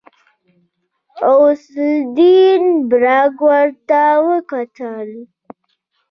غوث الدين برګ ورته وکتل.